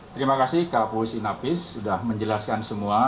terima kasih kapolisi napis sudah menjelaskan semua